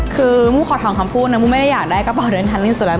คือมูขอถอนคำพูดนะมูไม่ได้อยากได้กระเป๋าเดินทางที่สุดแล้ว